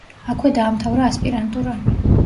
აქვე დაამთავრა ასპირანტურა.